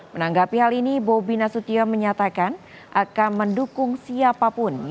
menanggapi hal ini bobi nasution menyatakan akan mendukung siapapun